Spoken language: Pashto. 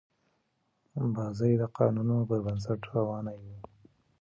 بازي د قانونونو پر بنسټ روانه يي.